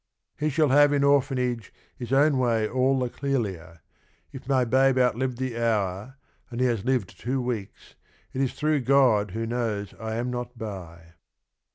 "He shall have in orphanage His own way all the clearlier : if my babe Outlived the hour — and he has lived two weeks — It is through God who knows I am not by."